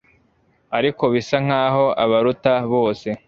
ariko bisa nkaho abaruta bose